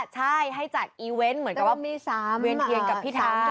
ใช่ให้จัดอีเวนต์เหมือนกับว่าเวียนเทียนกับพิธา